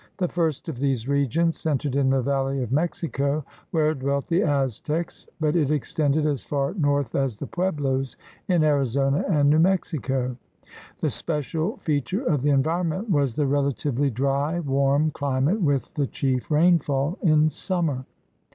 The first of these regions centered in the valley of Mexico where dwelt the Aztecs, but it extended as far north as the Pueblos in Ari zona and New Mexico. The special feature of the environment was the relatively dry, warm chmate with the chief rainfall in summer.